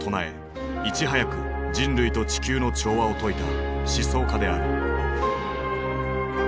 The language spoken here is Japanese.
いち早く人類と地球の調和を説いた思想家である。